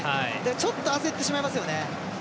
ちょっと焦ってしまいますよね。